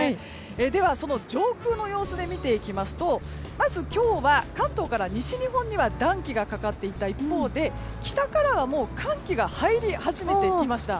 では、その上空の様子で見ていきますとまず今日は関東から西日本には暖気がかかっていた一方で北からは寒気が入り始めていました。